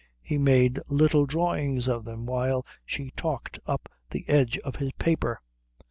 He made little drawings of them while she talked up the edge of his paper.